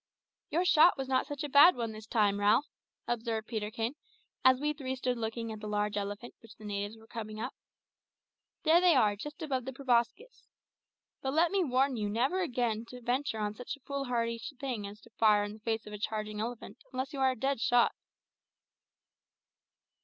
"Your shot was not such a bad one this time, Ralph," observed Peterkin, as we three stood looking at the large elephant which the natives were cutting up. "There they are, just above the proboscis. But let me warn you never again to venture on such a foolhardy thing as to fire in the face of a charging elephant unless you are a dead shot."